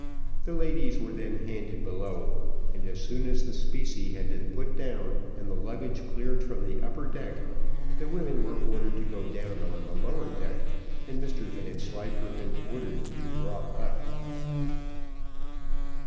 The ladies were then handed below, and, as soon as the specie had been put down, and the luggage cleared from the upper deck, the women were ordered to go down on the lower deck, and Mr Vanslyperken ordered to be brought up.